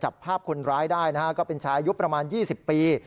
จับภาพคนร้ายได้นะฮะก็เป็นชายุคประมาณ๒๐ปี